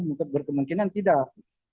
mungkin berkemungkinan tidak